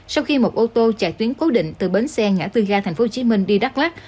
sau khi một ô tô chạy tuyến cố định từ bến xe ngã tư ga tp hcm đi đắk lắc